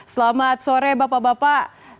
selamat sore bapak bapak